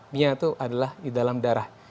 mia itu adalah di dalam darah